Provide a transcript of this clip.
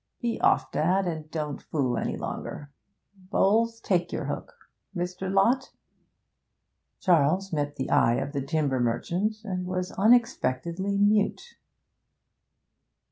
Be off, dad, and don't fool any longer. Bowles, take your hook. Mr. Lott ' Charles met the eye of the timber merchant, and was unexpectedly mute.